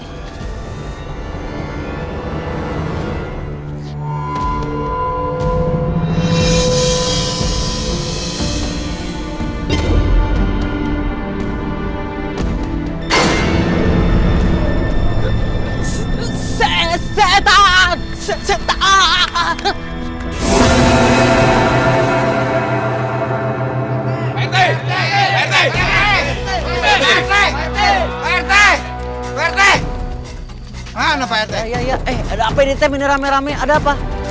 iya iya ada apa ini tem ini rame rame ada apa